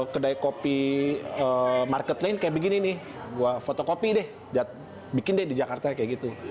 kedai kopi market lain kayak begini nih gue fotokopi deh bikin deh di jakarta kayak gitu